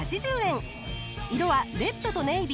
色はレッドとネイビー。